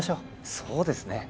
そうですね